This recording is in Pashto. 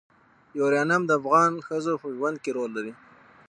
یورانیم د افغان ښځو په ژوند کې رول لري.